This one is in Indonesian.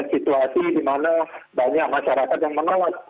situasi dimana banyak masyarakat yang mengawas